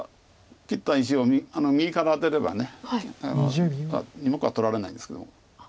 切った石を右からアテれば２目は取られないんですけども。